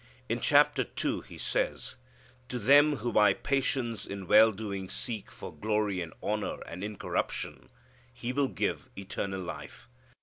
In chapter two, he says, "to them who by patience in well doing seek for glory and honor and incorruption (He will give) eternal life."